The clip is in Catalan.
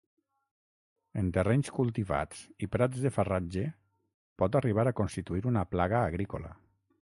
En terrenys cultivats i prats de farratge pot arribar a constituir una plaga agrícola.